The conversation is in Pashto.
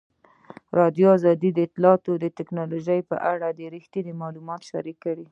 ازادي راډیو د اطلاعاتی تکنالوژي په اړه رښتیني معلومات شریک کړي.